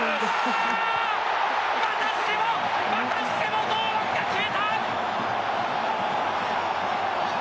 またしてもまたしても堂安が決めた！